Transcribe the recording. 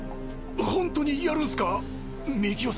ホントにやるんすか幹雄さん。